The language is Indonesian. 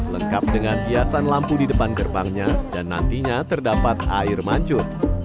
lengkap dengan hiasan lampu di depan gerbangnya dan nantinya terdapat air mancur